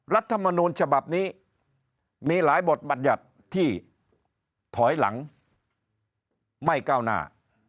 รัฐมนูลฉบับนี้มีหลายบทบัญญัติที่ถอยหลังไม่ก้าวหน้า